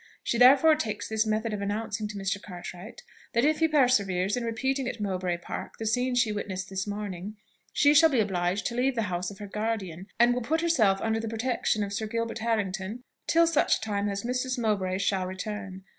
She therefore takes this method of announcing to Mr. Cartwright, that if he perseveres in repeating at Mowbray Park the scene she witnessed this morning, she shall be obliged to leave the house of her guardian, and will put herself under the protection of Sir Gilbert Harrington till such time as Mrs. Mowbray shall return.